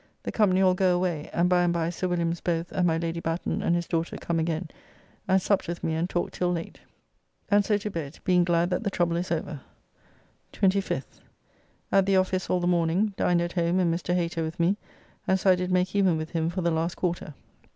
The company all go away, and by and by Sir Wms. both and my Lady Batten and his daughter come again and supped with me and talked till late, and so to bed, being glad that the trouble is over. 25th. At the office all the morning. Dined at home and Mr. Hater with me, and so I did make even with him for the last quarter.